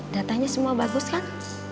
datanya semua bagus kan